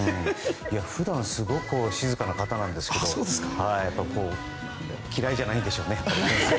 普段すごく静かな方なんですけど嫌いじゃないんでしょうね。